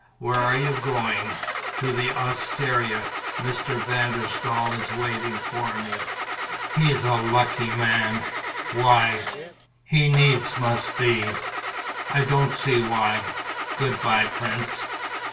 "Where are you going?" "To the osteria. Mr. van der Staal is waiting for me." "He's a lucky man!" "Why?" "He needs must be!" "I don't see why. Good bye, prince."